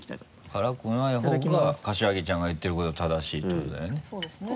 辛くない方が柏木ちゃんが言ってることが正しいっていうことだよね。